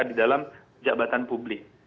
di dalam jabatan publik